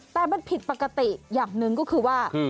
แต่มันผิดปกติอย่างหนึ่งก็คือว่า